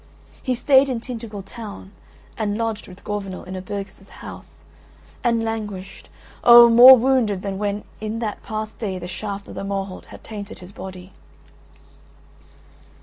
He stayed in Tintagel town and lodged with Gorvenal in a burgess' house, and languished oh! more wounded than when in that past day the shaft of the Morholt had tainted his body.